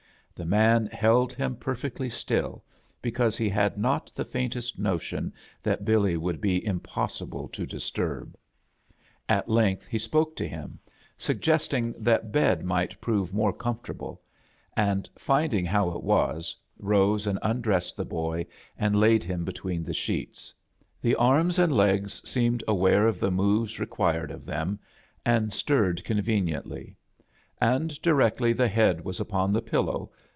The man held him perfectly still, because , he tiad not tfie faintest notion that Billy would be impossible to disturb. At length 73 A JOURNEY IN SEARCH OF CHRISTMAS he spoke to him, suggesting that bed might prove more comfortable; and, finding how it was, rose and undressed the boy and laid him between the sheets. The arms and legs seemed aware of the moves re quired of them, and stirred conveniently; and directly the head was open the piQow